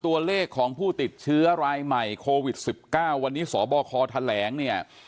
ตัวเลขของผู้ติดเชื้อรายใหม่โควิด๑๙วันนี้สบคแถลงเนี่ย